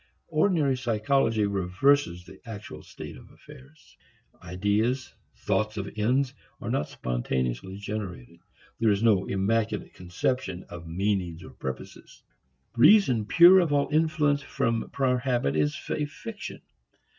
Ordinary psychology reverses the actual state of affairs. Ideas, thoughts of ends, are not spontaneously generated. There is no immaculate conception of meanings or purposes. Reason pure of all influence from prior habit is a fiction.